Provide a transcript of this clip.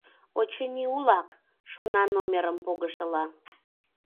«Очыни, улак», — шона номерым погышыла.